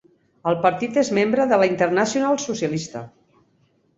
El partit és membre de la Internacional Socialista.